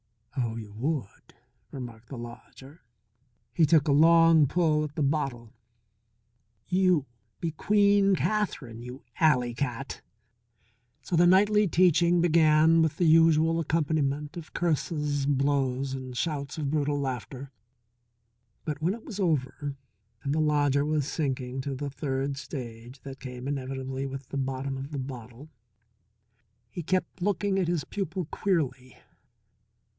"Oh, you would!" remarked the lodger. He took a long pull at the bottle. "You be Queen Kathrine, you alley cat." So the nightly teaching began with the usual accompaniment of curses, blows, and shouts of brutal laughter. But when it was over and the lodger was sinking to the third stage that came inevitably with the bottom of the bottle, he kept looking at his pupil queerly.